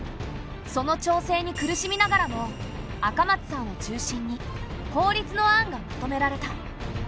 その調整に苦しみながらも赤松さんを中心に法律の案がまとめられた。